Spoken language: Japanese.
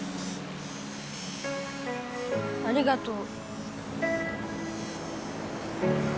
ありがとう。